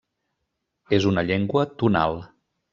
És una llengua tonal.